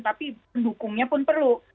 tapi pendukungnya pun perlu